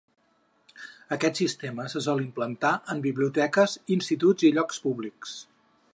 Aquest sistema se sol implantar en biblioteques, instituts i llocs públics.